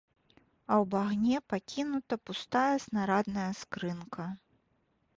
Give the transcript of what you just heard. А ў багне пакінута пустая снарадная скрынка.